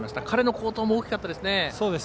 彼の好投も大きかったですね。